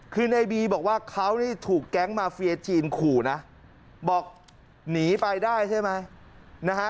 คือในบีบอกว่าเขานี่ถูกแก๊งมาเฟียจีนขู่นะบอกหนีไปได้ใช่ไหมนะฮะ